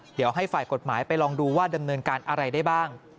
เดี๋ยวให้ฝ่ายกฎหมายไปลองดูว่าดำเนินการอะไรได้บ้าง